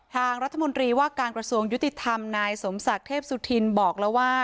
ทางรัฐมนตรีว่าการกระทรวงยุติธรรมนายสมศักดิ์เทพสุธินบอกแล้วว่า